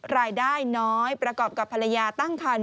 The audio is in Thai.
รายได้น้อยประกอบกับภรรยาตั้งคัน